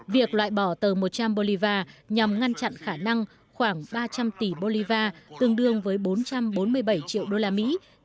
việc loại bỏ tờ một trăm linh bolivar nhằm ngăn chặn khả năng khoảng ba trăm linh tỷ bolivar tương đương với bốn trăm bốn mươi bảy triệu đô la mỹ